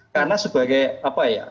karena sebagai apa ya